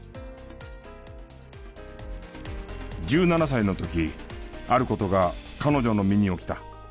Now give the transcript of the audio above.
１７歳の時ある事が彼女の身に起きた。